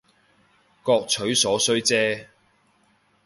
各取所需姐